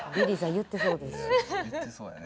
言ってそうやね。